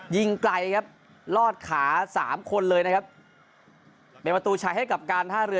ยิงไกลครับลอดขาสามคนเลยนะครับเป็นประตูชัยให้กับการท่าเรือ